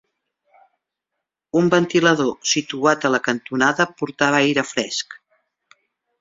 Un ventilador situat a la cantonada portava aire fresc.